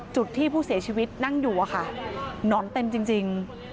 จุดที่ผู้เสียชีวิตนั่งอยู่อะค่ะหนอนเต็มจริง